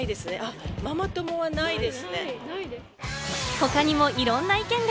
他にもいろんな意見が。